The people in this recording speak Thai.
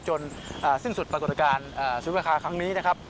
จนสิ้นสุดปรากฏการณ์ชีวิตราคาครั้งนี้นะครับ